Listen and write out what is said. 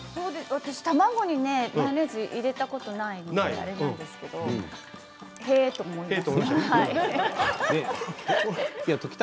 私卵にマヨネーズ入れたことないのあれなんですけどへえと思いました。